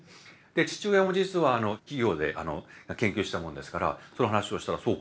父親も実は企業で研究してたもんですからその話をしたら「そうか？